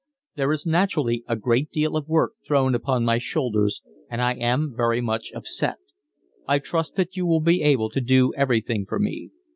There is naturally a great deal of work thrown upon my shoulders and I am very much upset. I trust that you will be able to do everything for me.